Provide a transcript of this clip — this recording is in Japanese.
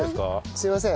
すいません。